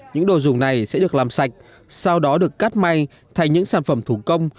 những đồ dùng này sẽ được làm sạch sau đó được cắt may thành những sản phẩm thủ công